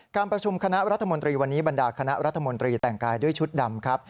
การประชุมคณะรัฐมนตรีวันนี้บรรดาคณะรัฐมนตรีแต่งกายด้วยชุดดำครับ